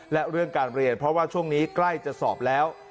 และเรื่องการเรียนเพราะว่าช่วงนี้ใกล้จะสอบแล้ว